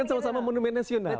kan sama sama monumen nasional